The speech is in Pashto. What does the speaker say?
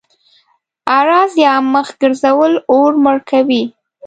اعراض يا مخ ګرځول اور مړ کوي.